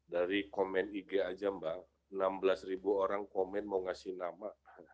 dari komen ig aja mbak enam belas ribu orang komen mau ngasih nama